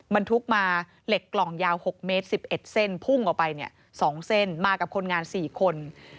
บรรทุกมาเหล็กกล่องยาว๖เมตร๑๑เส้นพุ่งออกไป๒เส้นมากับคนงาน๔คน